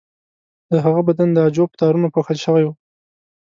د هغه بدن د عاجو په تارونو پوښل شوی و.